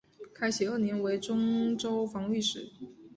开禧二年为忠州防御使。